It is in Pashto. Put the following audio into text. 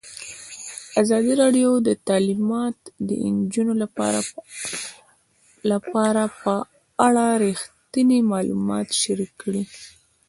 ازادي راډیو د تعلیمات د نجونو لپاره په اړه رښتیني معلومات شریک کړي.